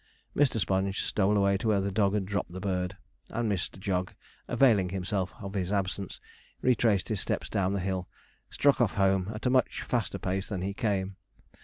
Mr. Sponge stole away to where the dog had dropped the bird; and Mr. Jog, availing himself of his absence, retraced his steps down the hill, and struck off home at a much faster pace than he came.